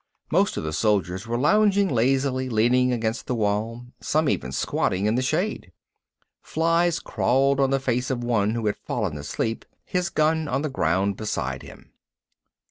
Most of the soldiers were lounging lazily, leaning against the wall, some even squatting in the shade. Flies crawled on the face of one who had fallen asleep, his gun on the ground beside him.